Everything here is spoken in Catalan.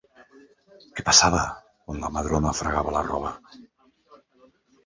Què passava quan la Madrona fregava la roba?